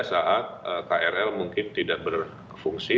saat krl mungkin tidak berfungsi